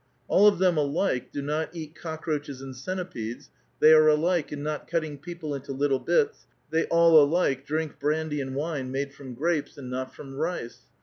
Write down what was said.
All of them alike do not eat cockroaches and centipedes ; they are alike in not cutting people into little bits ; they all alike drink brandy and wine made from grapes, and not from rice.